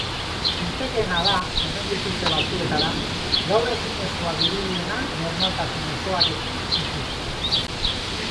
Litekeena da, hemendik urte batzuetara, gaur ezinezkoa dirudiena normaltasun osoarekin ikustea.